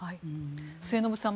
末延さん